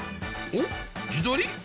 おっ自撮り？